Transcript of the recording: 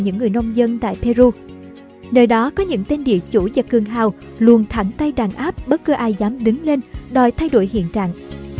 nơi đó có những tên địa chủ và cường hào luôn thẳng tay đàn áp bất cứ ai dám đứng lên đòi thay đổi hiện trạng